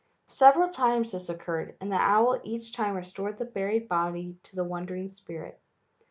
Several times this occurred, and the owl each time restored the buried body to the wandering spirit.